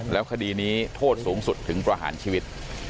แล้วคดีนี้โทษสูงสุดถึงประหารชีวิต